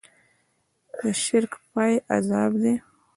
د شرک پای عذاب دی.